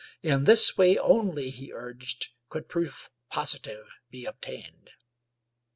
In this way only, he urged^ could proof positive be obtained.